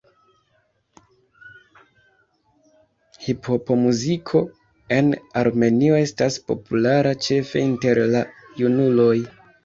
Hiphopomuziko en Armenio estas populara ĉefe inter la junuloj.